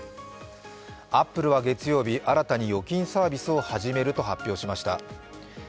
アップルは月曜日、新たに預金サービスを始めたと発表しました。